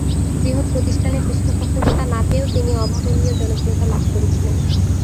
বৃহৎ প্রতিষ্ঠানের পৃষ্ঠপোষকতা না পেয়েও তিনি অভাবনীয় জনপ্রিয়তা লাভ করেছিলেন।